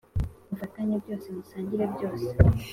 mufatanye byose musangire byose